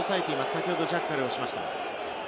先ほどジャッカルをしました。